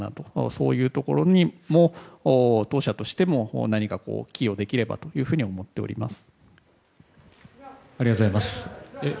そういうところも当社としても、何か寄与できればと思っております。